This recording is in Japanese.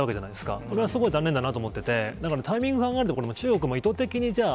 それはすごい残念だなと思っていて、だから、タイミング考えると、中国も意図的にじゃあ